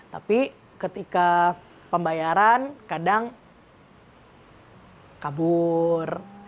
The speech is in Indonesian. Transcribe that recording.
tapi ketika pembayaran kadang kabur